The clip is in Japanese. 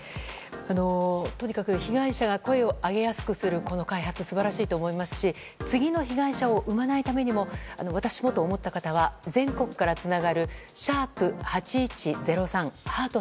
とにかく被害者が声を上げやすくするためのこの開発素晴らしいと思いますし次の被害者を生まないためにも私もと思った方は「♯８１０３」。